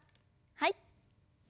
はい。